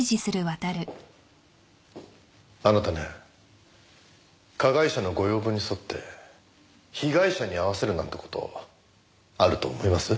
あなたね加害者のご要望に沿って被害者に会わせるなんて事あると思います？